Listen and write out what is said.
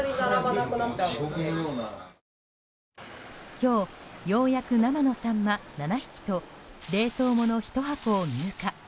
今日ようやく生のサンマ７匹と冷凍もの１箱を入荷。